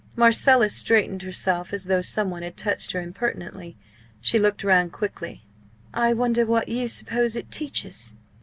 Marcella straightened herself as though some one had touched her impertinently. She looked round quickly. "I wonder what you suppose it teaches?"